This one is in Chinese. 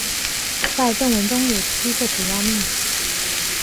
在正文中有七个主要命题。